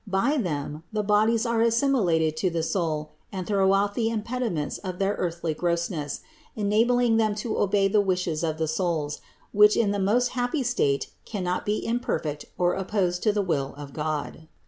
By them the bodies are assimilated to the soul and throw off the impediments of their earthly gross ness, enabling them to obey the wishes of the souls, which in that most happy state cannot be imperfect or opposed to the will of God.